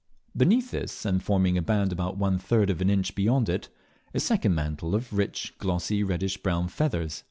Beneath this, and forming a band about one third of an inch beyond it, is a second mantle of rich, glossy, reddish brown fathers.